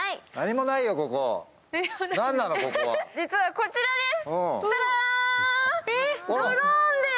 実はこちらです！